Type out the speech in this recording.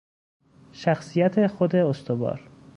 شخصیت خود استوار